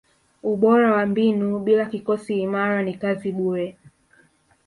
ubora wa mbinu bila kikosi imara ni kazi bure